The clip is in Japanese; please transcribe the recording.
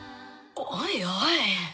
おいおい。